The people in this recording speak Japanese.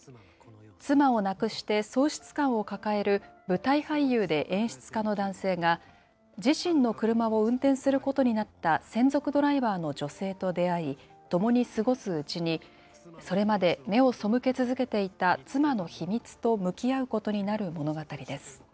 妻を亡くして喪失感を抱える舞台俳優で演出家の男性が、自身の車を運転することになった専属ドライバーの女性と出会い、共に過ごすうちに、それまで目を背け続けていた妻の秘密と向き合うことになる物語です。